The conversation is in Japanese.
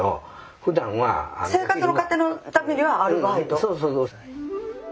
そうそうそう。